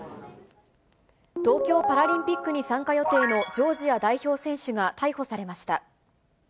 東京パラリンピックに参加予定のジョージア代表選手が逮捕されました。